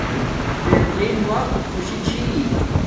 بہترین وقت خوشی چھی